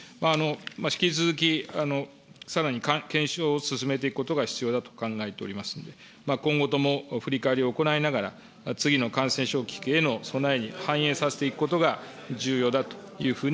引き続き、さらに検証を進めていくことが必要だと考えておりますので、今後とも振り返りを行いながら、次の感染症危機への備えに反映させていくことが重要だというふう